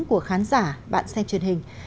của khán giả bạn xem truyền hình